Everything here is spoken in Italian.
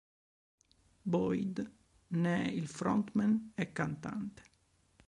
Boyd ne è il frontman e cantante.